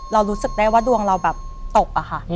เรารู้สึกได้ว่าดวงเราแบบตกอะค่ะ